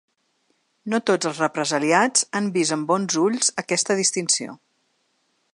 No tots els represaliats han vist amb bons ulls aquesta distinció.